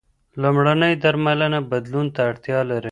لومړنۍ درملنه بدلون ته اړتیا لري.